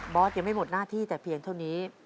อสยังไม่หมดหน้าที่แต่เพียงเท่านี้